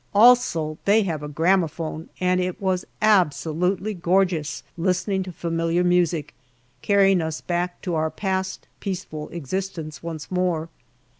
Also they have a gramophone, and it was absolutely gor geous listening to familiar music, carrying us back to our past peaceful existence once more.